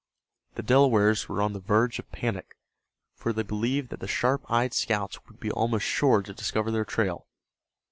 The Delawares were on the verge of panic, for they believed that the sharp eyed scouts would be almost sure to discover their trail.